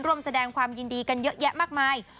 ร่วมแสดงความยินดีกันเยอะแยะมากมาย